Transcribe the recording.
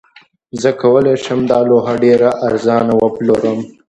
زه کولی شم دا لوحه ډیره ارزانه وپلورم